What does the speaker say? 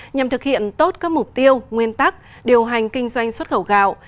nhằm thực hiện tốt các mục tiêu nguyên tắc điều hành kinh doanh xuất khẩu gạo